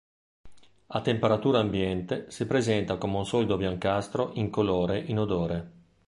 A temperatura ambiente si presenta come un solido biancastro-incolore inodore.